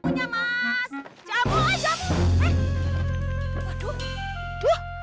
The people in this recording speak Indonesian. punya mas jauh jauh